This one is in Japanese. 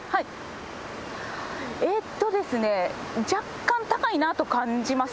えっとですね、若干高いなと感じます。